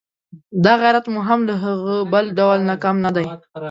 دا غیرت مو هم له هغه بل ډول نه کم نه دی.